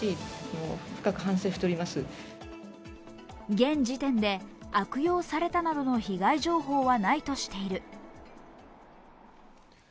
現時点で悪用されたなどの被害情報はないとしている。